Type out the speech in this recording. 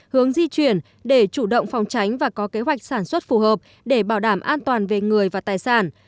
hướng di chuyển để chủ động phòng tránh và có kế hoạch sản xuất phù hợp để bảo đảm an toàn về người và tài sản